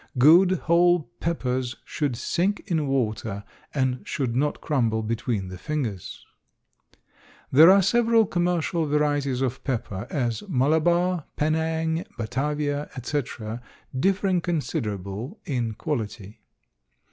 Good whole peppers should sink in water and should not crumble between the fingers. There are several commercial varieties of pepper, as Malabar, Penang, Batavia, etc., differing considerable in quality.